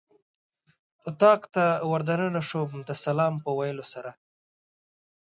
اتاق ته ور دننه شوم د سلام په ویلو سره.